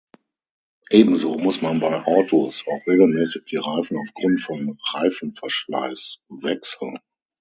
Ebenso muss man bei Autos auch regelmäßig die Reifen aufgrund von Reifenverschleiß wechseln.